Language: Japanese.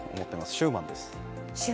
シューマンです。